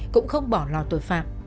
cũng không bỏ lò tội phạm